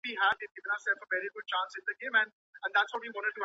د لري واټن زده کړي مهالوېش له حضوري ټولګیو څه توپیر لري؟